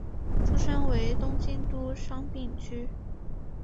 出身于东京都杉并区。